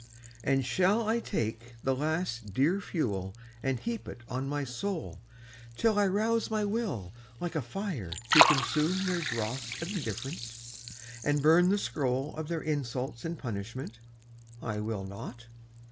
And shall I take The last dear fuel and heap it on my soul Till I rouse my will like a fire to consume Their dross of indifference, and burn the scroll Of their insults in punishment? I will not!